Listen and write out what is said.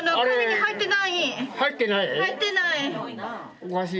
入ってない？